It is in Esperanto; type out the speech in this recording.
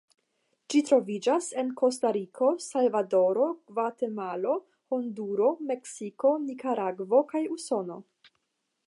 Ĝi troviĝas en Kostariko, Salvadoro, Gvatemalo, Honduro, Meksiko, Nikaragvo kaj Usono.